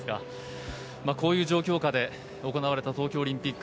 こういう状況下で行われた東京オリンピック。